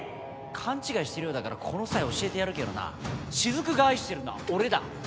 勘違いしてるようだからこの際教えてやるけどな雫が愛してるのは俺だ。